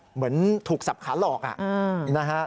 เหมือนถูกสับขาหลอกนะฮะ